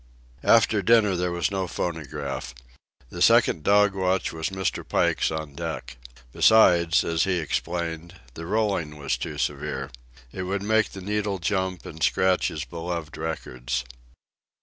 After dinner there was no phonograph. The second dog watch was Mr. Pike's on deck. Besides, as he explained, the rolling was too severe. It would make the needle jump and scratch his beloved records.